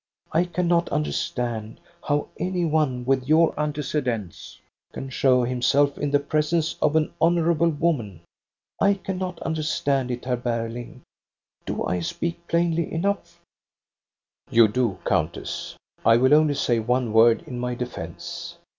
I cannot understand how any one with your antece dents can show himself in the presence of an honor able woman. I cannot understand it, Herr Berling. Do I speak plainly enough }'*" You do. Countess. I will only say one word in my defence.